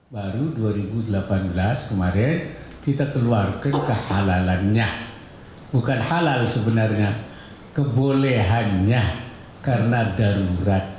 baru dua ribu delapan belas kemarin kita keluarkan kehalalannya bukan halal sebenarnya kebolehannya karena darurat